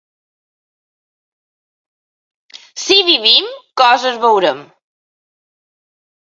Si vivim, coses veurem.